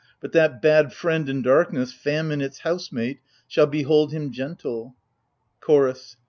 but that bad friend in darkness, Famine its housemate, shall behold him gentle. CHORDS.